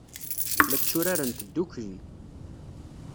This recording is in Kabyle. La tturarent ddukkli.